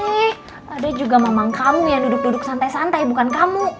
eh ada juga mamang kamu yang duduk duduk santai santai bukan kamu